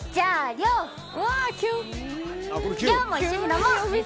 亮も一緒に飲もう。